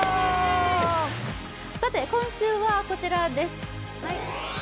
今週はこちらです。